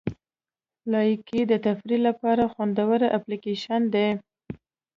لایکي د تفریح لپاره خوندوره اپلیکیشن دی.